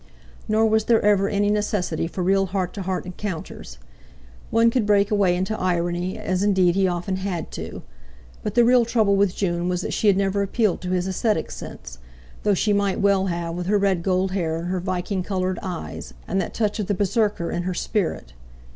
Nor was there ever any necessity for real heart to heart encounters. One could break away into irony—as indeed he often had to. But the real trouble with June was that she had never appealed to his aesthetic sense, though she might well have, with her red gold hair and her viking coloured eyes, and that touch of the Berserker in her spirit.